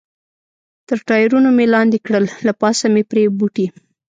تر ټایرونو مې لاندې کړل، له پاسه مې پرې بوټي.